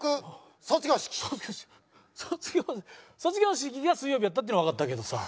卒業式卒業式が水曜日やったっていうのはわかったけどさ。